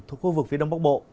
thuộc khu vực phía đông bắc bộ